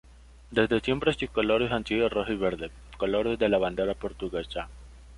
Desde siempre sus colores han sido rojo y verde, colores de la bandera Portuguesa.